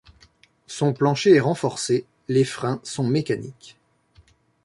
Son plancher est renforcé, les freins sont mécaniques.